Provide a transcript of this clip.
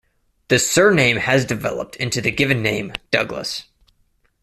The surname has developed into the given name "Douglas".